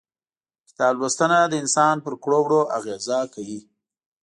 کتاب لوستنه د انسان پر کړو وړو اغيزه کوي.